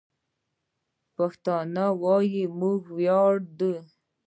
د پښتو ویل زموږ ویاړ دی.